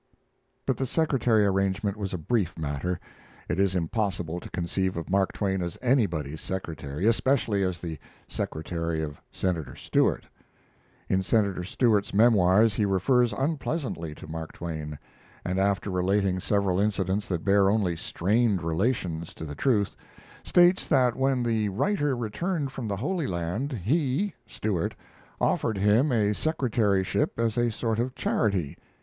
But the secretary arrangement was a brief matter. It is impossible to conceive of Mark Twain as anybody's secretary, especially as the secretary of Senator Stewart. [In Senator Stewart's memoirs he refers unpleasantly to Mark Twain, and after relating several incidents that bear only strained relations to the truth, states that when the writer returned from the Holy Land he (Stewart) offered him a secretaryship as a sort of charity.